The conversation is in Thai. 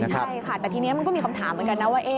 ใช่ค่ะแต่ทีนี้มันก็มีคำถามเหมือนกันนะว่า